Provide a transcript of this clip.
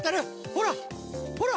ほらほら！